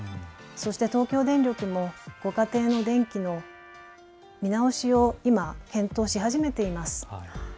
そして東京電力もご家庭の電気の見直しを今、検討し始めています。